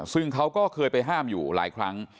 ซึ่งเขาก็เคยไปห้ามอยู่หลายครั้ง